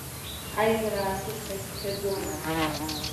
Аизара аартуп ҳәа исԥхьаӡоит.